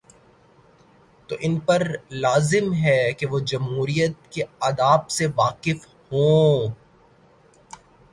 تو ان پرلازم ہے کہ وہ جمہوریت کے آداب سے واقف ہوں۔